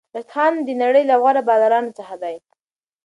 راشد خان د نړۍ له غوره بالرانو څخه دئ.